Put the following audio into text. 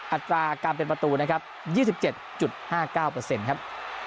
อัตราการเป็นประตูนะครับ๒๗๕๙เปอร์เซ็นต์ครับ